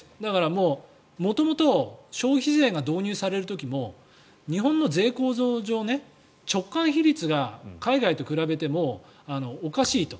もう元々消費税が導入される時も日本の税構造上直間比率が海外と比べてもおかしいと。